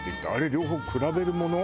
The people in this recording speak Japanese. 両方比べるもの？